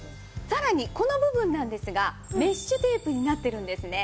さらにこの部分なんですがメッシュテープになってるんですね。